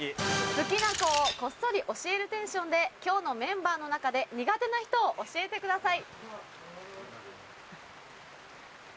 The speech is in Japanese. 「好きな子をこっそり教えるテンションで今日のメンバーの中で苦手な人を教えてください」。